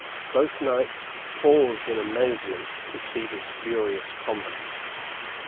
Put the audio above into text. Both knights paused in amazement to see this furious combat.